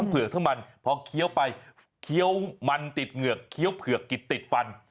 พอเคี้ยวไปเคี้ยวมันติดเหงือกเคี้ยวเผือกกิดติดฟัน